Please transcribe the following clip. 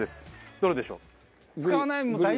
どれでしょう？